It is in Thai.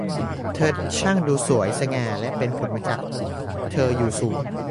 เธอช่างดูสง่างามและเป็นผลมาจากเธออยู่สูง